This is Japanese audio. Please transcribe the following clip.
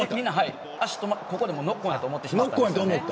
ここでノックオンだと思ってしまったんですよね。